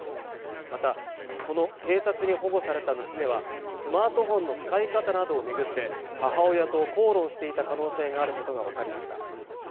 またこの警察に保護された娘はスマートフォンの使い方などをめぐって母親と口論していた可能性があることが分かりました